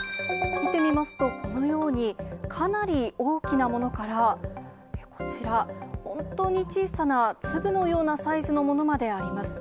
見てみますと、このように、かなり大きなものから、こちら、本当に小さな粒のようなサイズのものまであります。